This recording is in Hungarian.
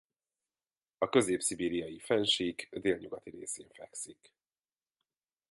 A Közép-szibériai-fennsík délnyugati részén fekszik.